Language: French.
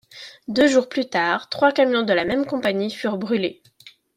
Deux jours plus tard, trois camions de la même compagnie furent brûlés.